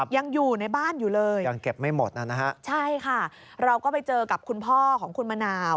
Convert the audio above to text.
ยังอยู่ในบ้านอยู่เลยใช่ค่ะเราก็ไปเจอกับคุณพ่อของคุณมะนาว